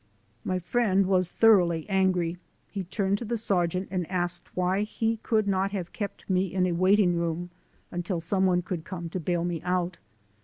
My friend was thor oughly angry. He turned to the sergeant and asked why he could not have kept me in a waiting room until some one could come to bail me out.